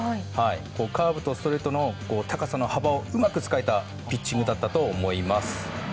カーブとストレートの高さの幅をうまく使えたピッチングだったと思います。